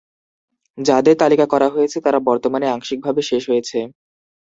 যাদের তালিকা করা হয়েছে তারা বর্তমানে আংশিকভাবে শেষ হয়েছে।